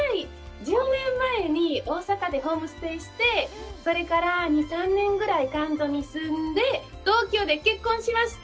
１０年前に大阪でホームステイして、それから２３年ぐらい関東に住んで、東京で結婚しました。